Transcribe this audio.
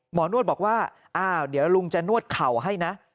นวดบอกว่าอ้าวเดี๋ยวลุงจะนวดเข่าให้นะ